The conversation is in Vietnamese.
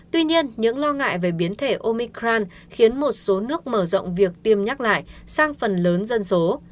tuy nhiên những lo ngại về biến thể omicran khiến một số nước mở rộng việc tiêm nhắc lại sang phần lớn dân số